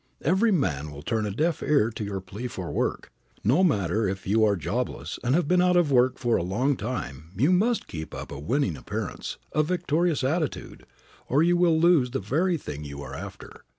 Every man will turn a deaf ear to your plea for work. No matter if you are jobless and have been out of work for a long time you must keep up a winning appearance, a victorious attitude, or you will lose the very thing you are after.